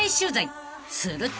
［すると］